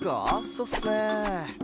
そっすね。